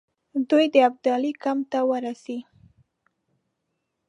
دوی د ابدالي کمپ ته ورسي.